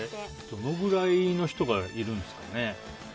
どのくらいの人がいるんですかね。